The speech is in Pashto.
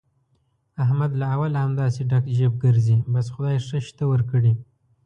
احمد له اوله همداسې ډک جېب ګرځي، بس خدای ښه شته ورکړي.